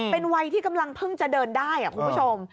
เป็นวัยที่กำลังเพิ่งจะเดินได้คุณผู้ชม